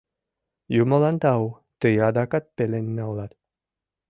— Юмылан тау, тый адакат пеленна улат.